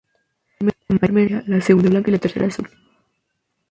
La primera amarilla, la segunda blanca y la tercera azul.